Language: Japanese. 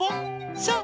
そう。